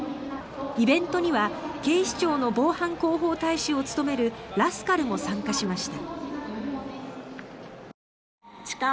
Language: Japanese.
イベントには警視庁の防犯広報大使を務めるラスカルも参加しました。